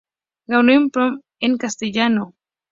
Gameplay en castellano